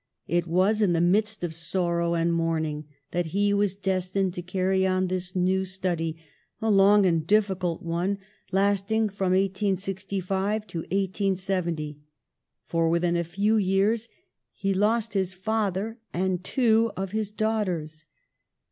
It was in the midst of sorrow and mourning that he was destined to carry on this new study — a long and diffi cult one, lasting from 1865 to 1870 — for within a few years he lost his father and two of his daughters.